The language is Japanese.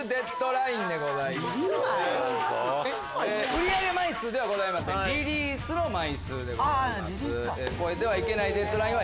売り上げ枚数ではございませんリリースの枚数でございます。